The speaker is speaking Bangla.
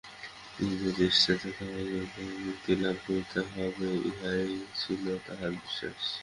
নিজেদের চেষ্টাতেই আমাদিগকে মুক্তিলাভ করিতে হইবে, ইহাই ছিল তাঁহার বিশ্বাস।